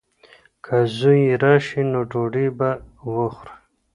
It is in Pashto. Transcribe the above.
که زوی یې راشي نو ډوډۍ به وخوري.